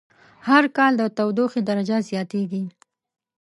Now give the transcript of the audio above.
هر کال د تودوخی درجه زیاتیږی